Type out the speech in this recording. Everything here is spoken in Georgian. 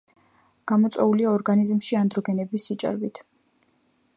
გამოწვეულია ორგანიზმში ანდროგენების სიჭარბით.